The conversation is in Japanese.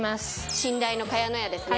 信頼の茅乃舎ですね。